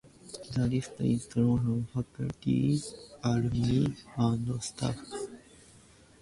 The list is drawn from faculty, alumni and staff.